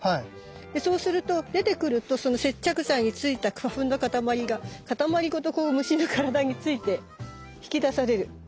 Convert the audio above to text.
そうすると出てくるとその接着剤についた花粉のかたまりがかたまりごとこう虫の体について引き出される。